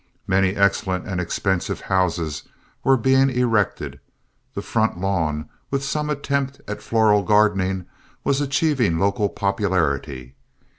Many excellent and expensive houses were being erected. The front lawn, with some attempt at floral gardening, was achieving local popularity.